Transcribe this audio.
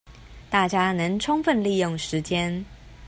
大家能充分利用時間